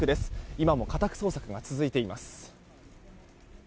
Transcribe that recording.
今も家宅捜索が続いています。